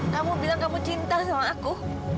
kamu bilang kamu cinta sama aku